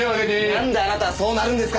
なんであなたはそうなるんですか！